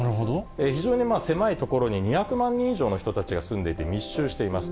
非常に狭い所に２００万人以上の人たちが住んでいて、密集しています。